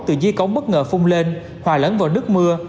từ di cống bất ngờ phung lên hòa lẫn vào nước mưa